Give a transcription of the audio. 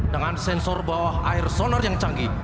dengan sensor bawah air sonar yang canggih